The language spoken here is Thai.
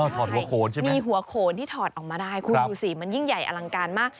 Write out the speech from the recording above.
สีมันยิ่งใหญ่อลังการมาก